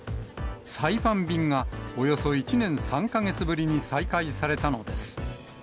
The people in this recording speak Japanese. サイパン便がおよそ１年３か月ぶりに再開されたのです。